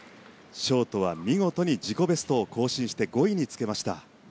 ショートは見事に自己ベストを更新して５位につけました。